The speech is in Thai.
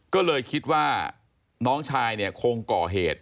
ก็เลยคิดว่าน้องชายเนี่ยคงก่อเหตุ